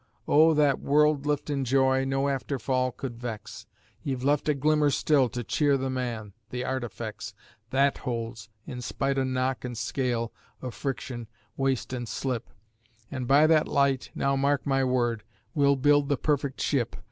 O' that world liftin' joy no after fall could vex, Ye've left a glimmer still to cheer the Man the Artifex! That holds, in spite o' knock and scale, o' friction, waste an' slip, An' by that light now, mark my word we'll build the Perfect Ship.